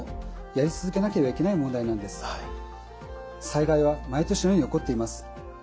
災害は毎年のように起こっています。